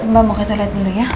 mbak mau kita lihat dulu ya